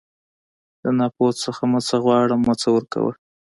د ناپوه څخه مه څه غواړه او مه څه ورکوه.